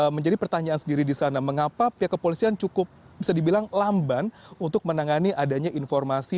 menjadi pertanyaan sendiri di sana mengapa pihak kepolisian cukup bisa dibilang lamban untuk menangani adanya informasi